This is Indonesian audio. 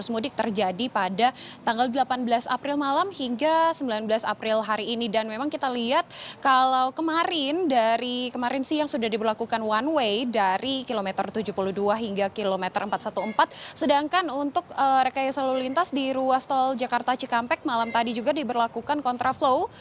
sedangkan untuk rekaya selalu lintas di ruas tol jakarta cikampek malam tadi juga diberlakukan kontraflow